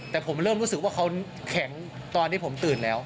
แต่ผมเริ่มรู้สึกว่าเขาแข็งตอนที่ผมตื่นแล้ว